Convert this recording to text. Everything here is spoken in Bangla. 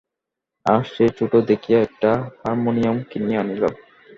আজ সে ছোটো দেখিয়া একটা হারমোনিয়ম কিনিয়া আনিল।